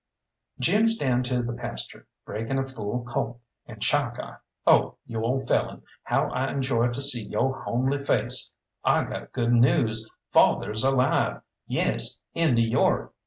"Jim's down to the pasture, breaking a fool colt, and Chalkeye oh, you ole felon, how I enjoy to see yo' homely face! I got good news. Father's alive, yes, in New York.